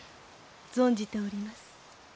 存じております。